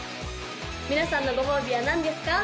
皆さんのご褒美は何ですか？